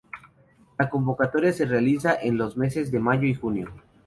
La convocatoria se realiza en los meses de mayo y junio.